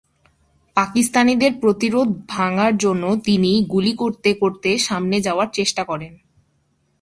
পাকিস্তানিদের প্রতিরোধ ভাঙার জন্য তিনি গুলি করতে করতে সামনে যাওয়ার চেষ্টা করেন।